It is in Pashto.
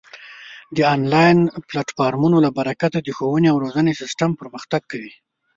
د آنلاین پلتفورمونو له برکته د ښوونې او روزنې سیستم پرمختګ کوي.